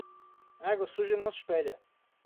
A água suja não se espelha.